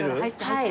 はい。